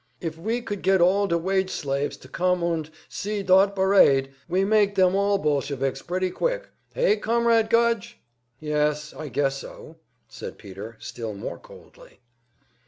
If we could get all de wage slaves to come und see dot barade, we make dem all Bolsheviks pretty quick! Hey, Comrade Gudge?" "Yes, I guess so," said Peter, still more coldly.